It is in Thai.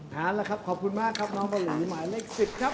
อ๋อน้องพลุยขอบคุณมากครับหมายเลข๑๐